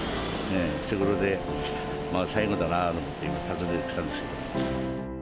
そういうことで、まあ、最後だなと思って、今、訪ねてきたんですけど。